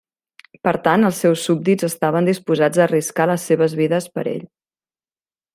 Per tant els seus súbdits estaven disposats a arriscar les seves vides per ell.